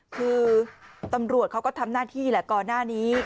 คือตำรวจเขาก็ทำหน้าที่แหละก่อนหน้านี้